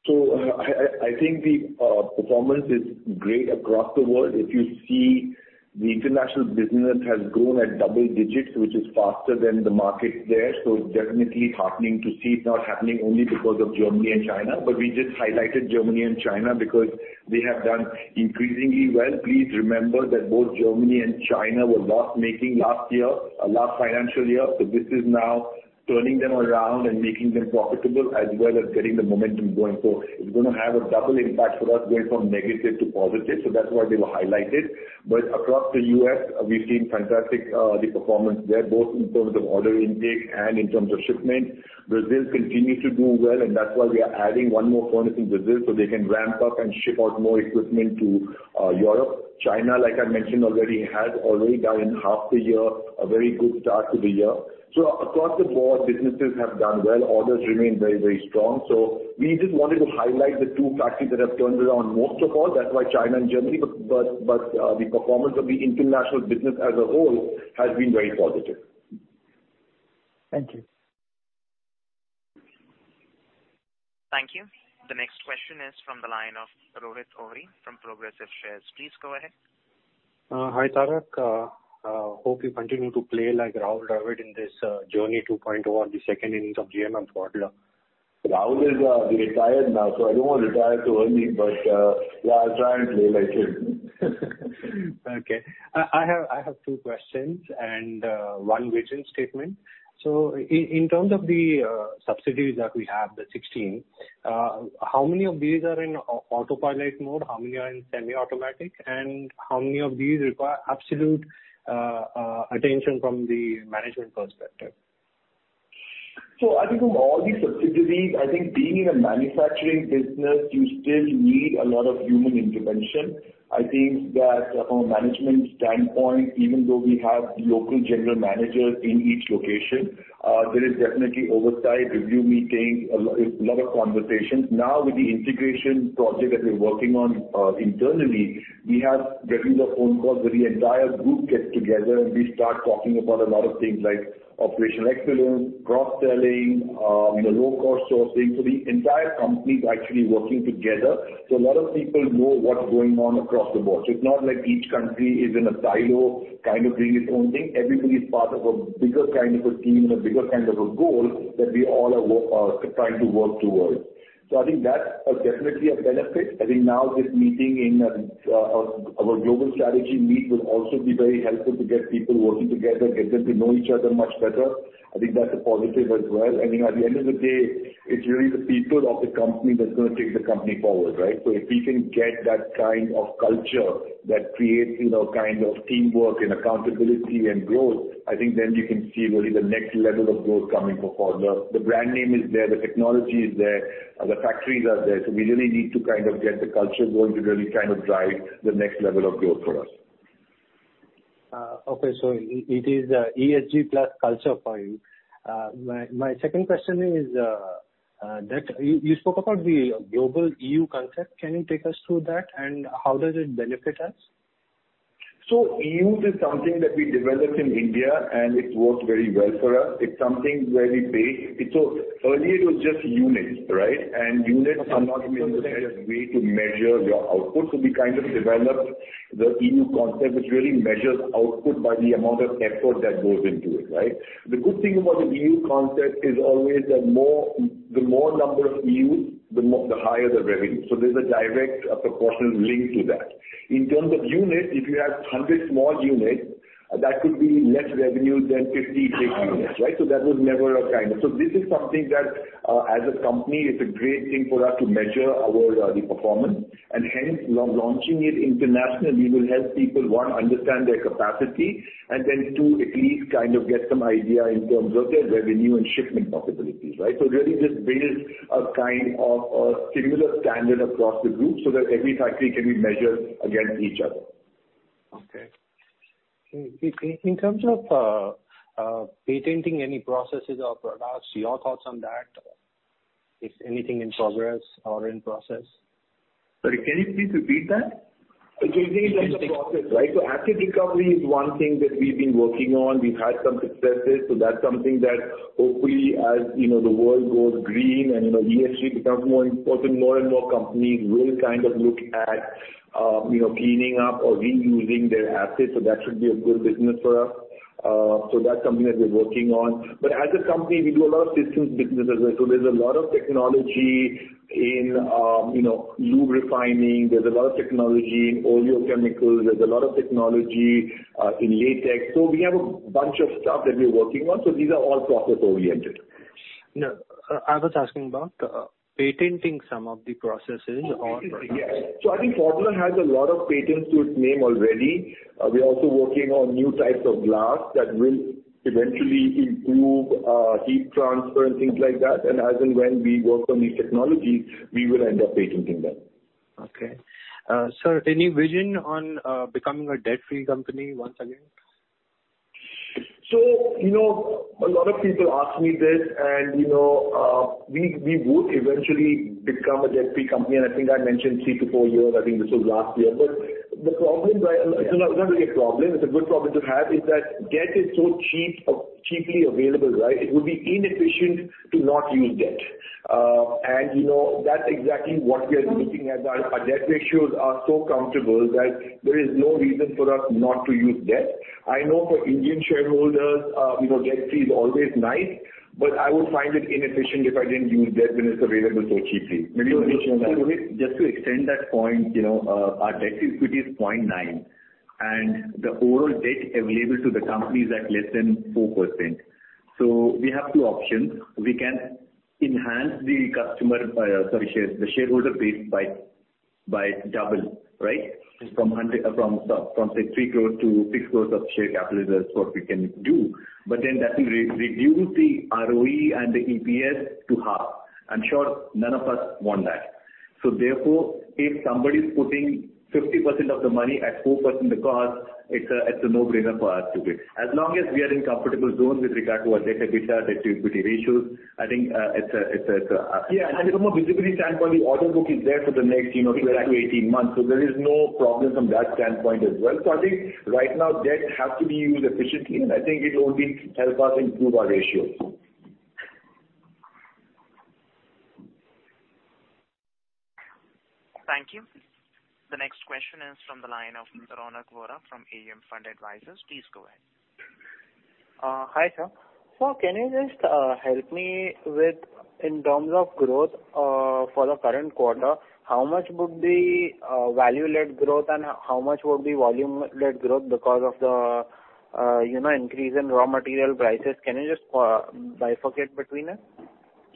I think the performance is great across the world. If you see, the international business has grown at double digits, which is faster than the market there. It's definitely heartening to see. It's not happening only because of Germany and China, but we just highlighted Germany and China because they have done increasingly well. Please remember that both Germany and China were loss-making last year, last financial year. This is now turning them around and making them profitable, as well as getting the momentum going. It's gonna have a double impact for us going from negative to positive. That's why they were highlighted. Across the U.S., we've seen fantastic, the performance there, both in terms of order intake and in terms of shipment. Brazil continues to do well, and that's why we are adding one more furnace in Brazil, so they can ramp up and ship out more equipment to Europe. China, like I mentioned already, has already done in half the year a very good start to the year. Across the board, businesses have done well. Orders remain very, very strong. We just wanted to highlight the two factories that have turned around most of all. That's why China and Germany. The performance of the international business as a whole has been very positive. Thank you. Thank you. The next question is from the line of Rohit Oza from Progressive Shares. Please go ahead. Hi, Tarak. Hope you continue to play like Rahul Dravid in this journey 2.0 on the second innings of GMM Pfaudler. Rahul is retired now, so I don't wanna retire too early, but yeah, I'll try and play like him. Okay. I have two questions and one vision statement. In terms of the subsidiaries that we have, the 16, how many of these are in autopilot mode? How many are in semi-automatic? And how many of these require absolute attention from the management perspective? I think of all the subsidies, I think being in a manufacturing business, you still need a lot of human intervention. I think that from a management standpoint, even though we have local general managers in each location, there is definitely oversight, review meetings, a lot of conversations. Now, with the integration project that we're working on, internally, we have reviews of phone calls where the entire group gets together and we start talking about a lot of things like operational excellence, cross-selling, you know, low cost sourcing. The entire company is actually working together, so a lot of people know what's going on across the board. It's not like each country is in a silo kind of doing its own thing. Everybody is part of a bigger kind of a team and a bigger kind of a goal that we all are trying to work towards. I think that's definitely a benefit. I think now this meeting in our global strategy meet will also be very helpful to get people working together, get them to know each other much better. I think that's a positive as well. I think at the end of the day, it's really the people of the company that's gonna take the company forward, right? If we can get that kind of culture that creates, you know, kind of teamwork and accountability and growth, I think then you can see really the next level of growth coming for Pfaudler. The brand name is there, the technology is there, the factories are there, so we really need to kind of get the culture going to really kind of drive the next level of growth for us. It is ESG plus culture for you. My second question is that you spoke about the global EU concept. Can you take us through that? How does it benefit us? EUs is something that we developed in India, and it worked very well for us. It's something where we base earlier it was just units, right? Units are not even- Okay. A very good way to measure your output. We kind of developed the EU concept, which really measures output by the amount of effort that goes into it, right? The good thing about the EU concept is always the more number of EUs, the higher the revenue. There's a direct proportional link to that. In terms of units, if you have 100 small units, that could be less revenue than 50 big units, right? This is something that, as a company, it's a great thing for us to measure our, the performance. Launching it internationally will help people, one, understand their capacity, and then two, at least kind of get some idea in terms of their revenue and shipment possibilities, right? Really just build a kind of a similar standard across the group so that every factory can be measured against each other. Okay. In terms of patenting any processes or products, your thoughts on that? Is anything in progress or in process? Sorry, can you please repeat that? Patenting any process. Okay. Process, right? Asset recovery is one thing that we've been working on. We've had some successes, that's something that, hopefully as, you know, the world goes green and, you know, ESG becomes more important, more and more companies will kind of look at, you know, cleaning up or reusing their assets. That should be a good business for us. That's something that we're working on. As a company, we do a lot of systems business as well. There's a lot of technology in, you know, lube refining. There's a lot of technology in oleochemicals. There's a lot of technology in latex. We have a bunch of stuff that we're working on. These are all process-oriented. No. I was asking about patenting some of the processes or products. Oh, yes. I think Pfaudler has a lot of patents to its name already. We are also working on new types of glass that will eventually improve heat transfer and things like that. As and when we work on these technologies, we will end up patenting them. Okay. Sir, any vision on becoming a debt-free company once again? You know, a lot of people ask me this and, you know, we would eventually become a debt-free company, and I think I mentioned three to four years. I think this was last year. It's not really a problem, it's a good problem to have, is that debt is so cheap, cheaply available, right? It would be inefficient to not use debt. And, you know, that's exactly what we are looking at. Our debt ratios are so comfortable that there is no reason for us not to use debt. I know for Indian shareholders, you know, debt-free is always nice, but I would find it inefficient if I didn't use debt when it's available so cheaply. Rohit, just to extend that point, you know, our debt equity is 0.9, and the overall debt available to the company is at less than 4%. We have two options. We can enhance the share, the shareholder base by double, right? From say 3 crores-6 crores of share capital is what we can do. But then that will reduce the ROE and the EPS to half. I'm sure none of us want that. Therefore, if somebody's putting 50% of the money at 4% because it's a no-brainer for us to do. As long as we are in comfortable zone with regard to our debt service, our debt to equity ratios, I think, it's a Yeah. From a visibility standpoint, the order book is there for the next, you know- Exactly. 12-18 months. There is no problem from that standpoint as well. I think right now debt has to be used efficiently, and I think it will only help us improve our ratios. Ronak Vora from AUM Fund Advisors. Please go ahead. Hi, sir. Can you just help me with in terms of growth for the current quarter, how much would be value-led growth and how much would be volume-led growth because of the you know increase in raw material prices? Can you just bifurcate between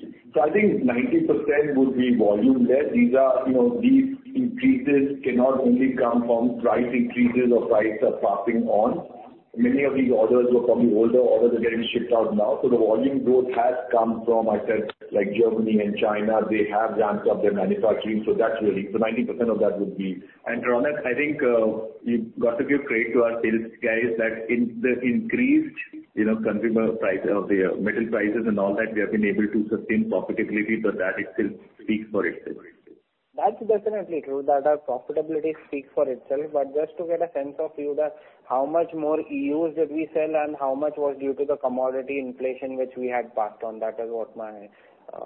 it? I think 90% would be volume-led. These are, you know, these increases cannot only come from price increases or price of passing on. Many of these orders were from the older orders they're getting shipped out now. The volume growth has come from, I said, like Germany and China, they have ramped up their manufacturing, so that's really ninety percent of that would be. Ronak, I think, we've got to give credit to our sales guys that in the increased, you know, consumer price of the metal prices and all that, we have been able to sustain profitability so that it still speaks for itself. That's definitely true that our profitability speaks for itself. Just to get a sense of view that how much more EUs did we sell and how much was due to the commodity inflation which we had passed on. That is what my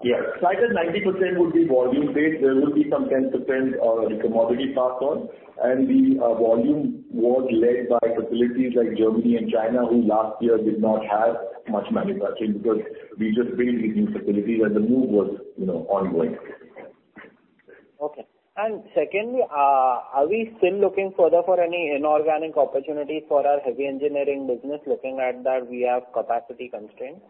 Yes. Like I said, 90% would be volume-based. There will be some 10%, commodity pass on. The volume was led by facilities like Germany and China, who last year did not have much manufacturing because we just built these new facilities and the move was, you know, ongoing. Okay. Secondly, are we still looking further for any inorganic opportunities for our Heavy Engineering business, looking at that we have capacity constraints?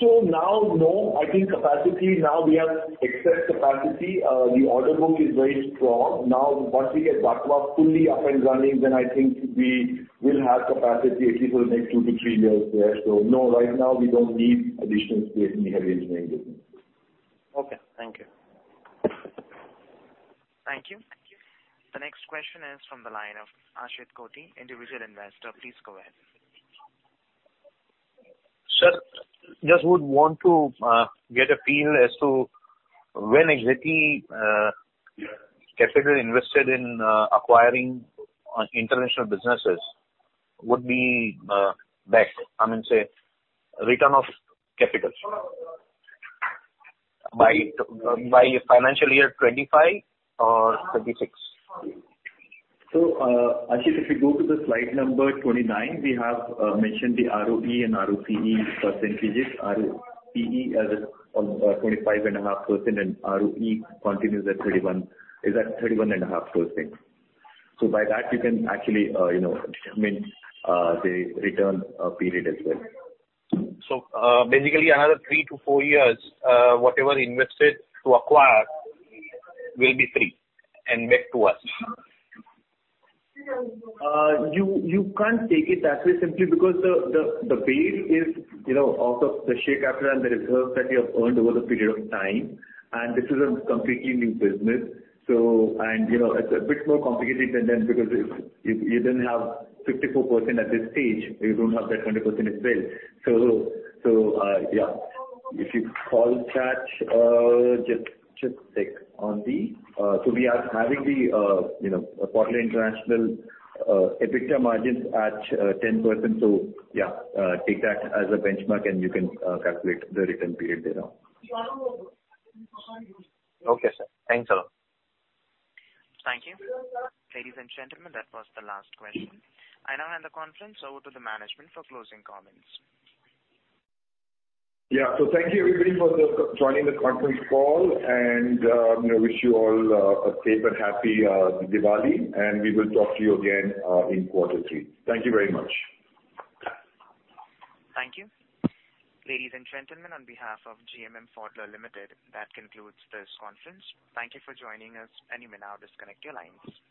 Now, no. I think capacity now we have excess capacity. The order book is very strong. Now, once we get Vatva fully up and running, then I think we will have capacity at least for the next two to three years there. No, right now, we don't need additional space in Heavy Engineering business. Okay. Thank you. Thank you. The next question is from the line of Ashit Kothi, Individual Investor. Please go ahead. Sir, just would want to get a feel as to when exactly capital invested in acquiring international businesses would be back. I mean, say, return of capital. By financial year 2025 or 2026. Ashit, if you go to the slide number 29, we have mentioned the ROE and ROCE percentages. ROCE is at a 25.5% and ROE continues at 31.5%. By that you can actually you know determine the return period as well. Basically another three to four years, whatever invested to acquire will be free and back to us. You can't take it that way simply because the base is, you know, out of the share capital and the reserves that you have earned over the period of time. This is a completely new business. You know, it's a bit more complicated than that because if you didn't have 54% at this stage, you don't have that 100% as well. Yeah, if you call that, just take on the, so we are having the, you know, Pfaudler International EBITDA margins at 10%. Yeah, take that as a benchmark, and you can calculate the return period there. Okay, sir. Thanks a lot. Thank you. Ladies and gentlemen, that was the last question. I now hand the conference over to the management for closing comments. Yeah. Thank you everybody for joining the conference call, and you know, wish you all a safe and happy Diwali, and we will talk to you again in quarter three. Thank you very much. Thank you. Ladies and gentlemen, on behalf of GMM Pfaudler Limited, that concludes this conference. Thank you for joining us. You may now disconnect your lines.